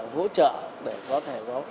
hỗ trợ để có thể có